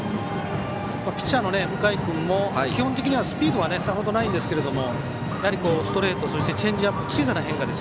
ピッチャーの向井君も基本的にはスピードはさほどないんですけどやはり、ストレートとチェンジアップの小さな変化。